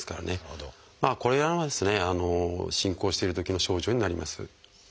これはですね進行してるときの症状になります。